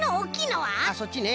そっちね。